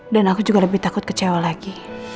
dan aku juga lebih takut kecewa lagi